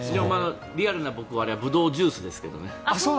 リアルな僕ならブドウジュースですけどね。